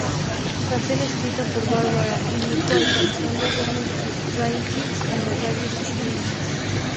Canción escrita por Barbara y Nikko, alcanzando buenos rankings en las radios chilenas.